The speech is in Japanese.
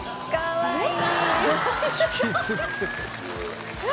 かわいい！